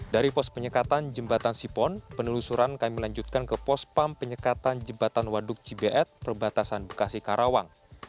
dari pos penyekatan jembatan sipon penelusuran kami lanjutkan ke pospam penyekatan jembatan waduk cibeet perbatasan bekasi karawang